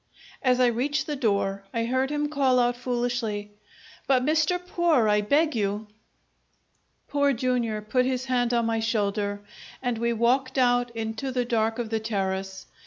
As I reached the door I heard him call out foolishly, "But Mr. Poor, I beg you " Poor Jr. put his hand on my shoulder, and we walked out into the dark of the terrace.